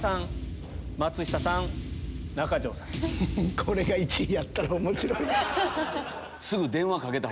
これが１位やったら面白い。